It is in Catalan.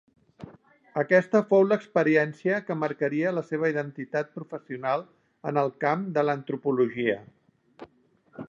Aquesta fou l'experiència que marcaria la seva identitat professional en el camp de l'antropologia.